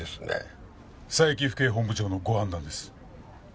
佐伯府警本部長のご判断です。